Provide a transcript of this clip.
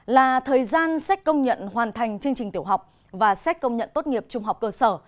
là thời gian xét công nhận hoàn thành chương trình tiểu học và xét công nhận tốt nghiệp trung học cơ sở